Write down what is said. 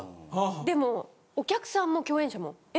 でもお客さんも共演者も「え？」。